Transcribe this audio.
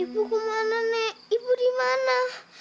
ibu kemana nek ibu dimana